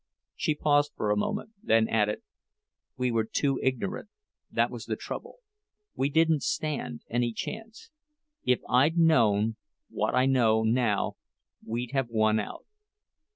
She paused a moment, then added: "We were too ignorant—that was the trouble. We didn't stand any chance. If I'd known what I know now we'd have won out."